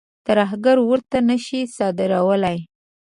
ترهګر ورته نه شي صادرولای.